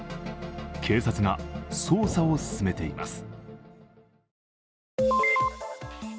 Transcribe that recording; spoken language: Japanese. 警察が捜査を進めています。